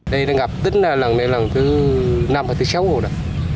đây là ngập tính là lần này là thứ năm hay thứ sáu rồi đó